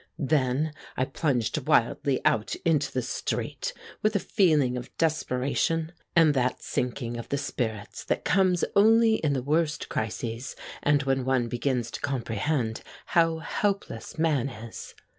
Then I plunged wildly out into the street with a feeling of desperation and that sinking of the spirits that comes only in the worst crises and when one begins to comprehend how helpless man is.